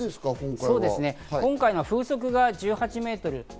今回は風速が１８メートル。